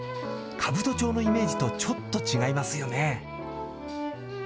兜町のイメージとちょっと違いますよね？